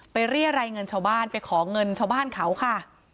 เรียรายเงินชาวบ้านไปขอเงินชาวบ้านเขาค่ะ